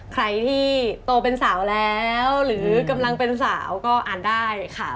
ใครที่โตเป็นสาวแล้วหรือกำลังเป็นสาวก็อ่านได้ค่ะ